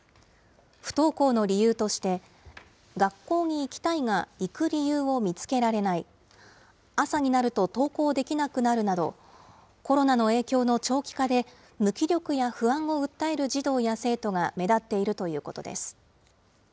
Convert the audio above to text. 不登校の理由として、学校に行きたいが行く理由を見つけられない、朝になると登校できなくなるなど、コロナの影響の長期化で、無気力や不安を訴える児童や生徒が目立っているということです。